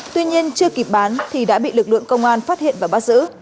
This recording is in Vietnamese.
tuy nhiên chưa kịp bán thì đã bị lực lượng công an phát hiện và bắt giữ